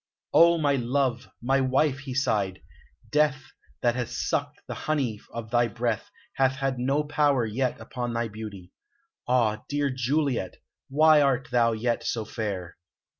"O my love! my wife!" he sighed. "Death, that hath sucked the honey of thy breath, hath had no power yet upon thy beauty.... Ah, dear Juliet! why art thou yet so fair?...